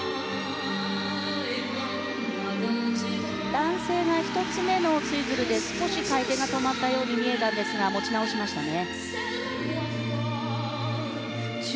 男性が１つ目のツイズルで少し回転が止まったように見えたんですが持ち直しましたね。